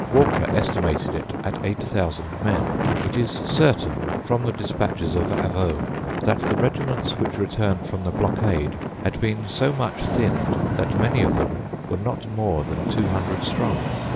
Walker estimated it at eight thousand men. It is certain from the despatches of Avaux that the regiments which returned from the blockade had been so much thinned that many of them were not more than two hundred strong.